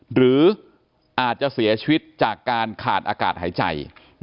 หรืออาจจะเสียชีวิตจากการขาดอากาศหายใจ